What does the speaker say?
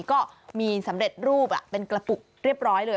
ก็มีสำเร็จรูปเป็นกระปุกเรียบร้อยเลย